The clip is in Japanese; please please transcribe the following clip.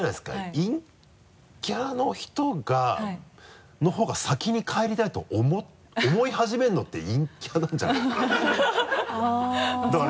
陰キャの人の方が先に帰りたいと思い始めるのって陰キャなんじゃないのかな？